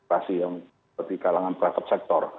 birokrasi yang berada di kalangan private sector